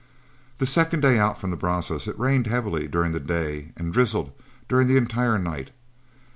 The second day out from the Brazos it rained heavily during the day and drizzled during the entire night.